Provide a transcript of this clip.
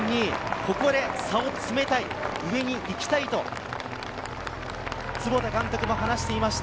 ここで差を詰めたい、上に行きたい、坪田監督も話していました。